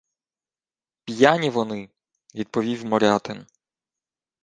— П'яні вони, — відповів Морятин.